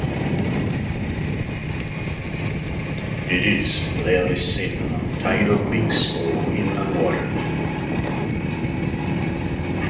It is rarely seen on tidal creeks or inland waters.